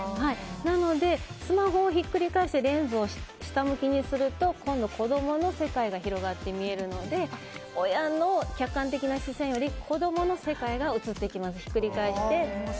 なのでスマホをひっくり返してレンズを下向きにすると今度は子供の世界が広がって見えるので親の客観的な視線よりも子供の世界が写ってきますひっくり返して。